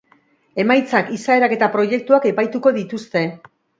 Emaitzak, izaerak eta proiektuak epaituko dituzte.